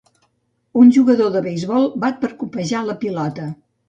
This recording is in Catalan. un jugador de beisbol bat per copejar la pilota.